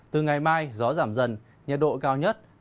từ ngày mai gió giảm dần nhiệt độ cao nhất hai mươi bốn ba mươi một độ